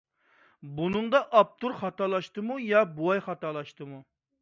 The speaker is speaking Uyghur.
بۇنىڭدا ئاپتور خاتالاشتىمۇ ياكى بوۋاي خاتالاشتىمۇ؟